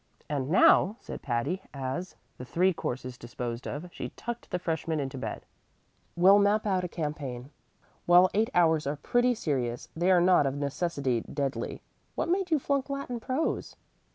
"And now," said Patty, as, the three courses disposed of, she tucked the freshman into bed, "we'll map out a campaign. While eight hours are pretty serious, they are not of necessity deadly. What made you flunk Latin prose?"